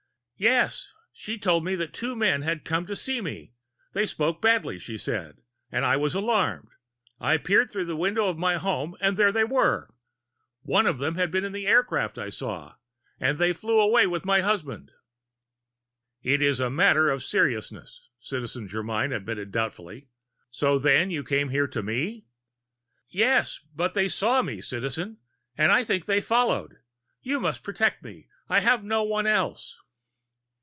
"Yes. She told me that two men had come to see me. They spoke badly, she said, and I was alarmed. I peered through a window of my home and they were there. One had been in the aircraft I saw! And they flew away with my husband." "It is a matter of seriousness," Citizen Germyn admitted doubtfully. "So then you came here to me?" "Yes, but they saw me, Citizen! And I think they followed. You must protect me I have no one else!"